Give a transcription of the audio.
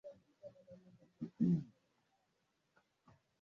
Tangu walikuwa na mikataba na Uingereza walipoahidi